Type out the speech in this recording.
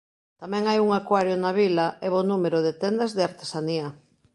Tamén hai un acuario na vila e bo número de tendas de artesanía.